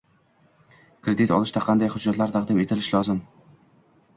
kredit olishda qanday hujjatlar taqdim etilishi lozim?